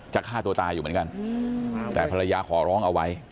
ฆ่าตัวตายอยู่เหมือนกันแต่ภรรยาขอร้องเอาไว้